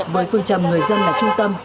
với phương châm người dân là trung tâm